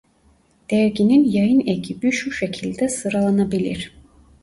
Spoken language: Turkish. Derginin yayın ekibi şu şekilde sıralanabilir.